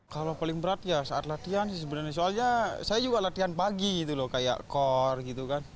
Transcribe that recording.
kalau paling berat ya saat latihan sih sebenarnya soalnya saya juga latihan pagi gitu loh kayak core gitu kan